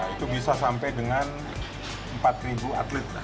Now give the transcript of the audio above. itu bisa sampai dengan empat atlet